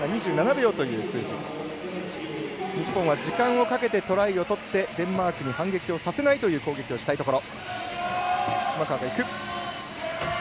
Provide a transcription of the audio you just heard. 日本は時間をかけてトライを取ってデンマークに反撃をさせないという攻撃をしたいところ。